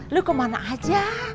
lu kemana aja